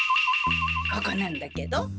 ここなんだけど。